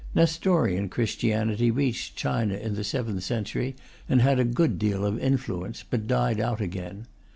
Nestorian Christianity reached China in the seventh century, and had a good deal of influence, but died out again.